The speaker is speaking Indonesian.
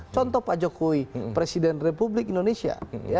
contoh pak jokowi presiden republik indonesia